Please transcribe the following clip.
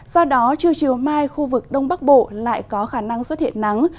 do đó trưa chiều mai khu vực đông bắc bộ lại có khả năng xuất hiện nắng